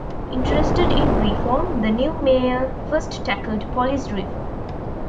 Interested in reform, the new mayor first tackled police reform.